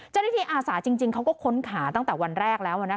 เจ้าหน้าที่อาสาจริงเขาก็ค้นขาตั้งแต่วันแรกแล้ว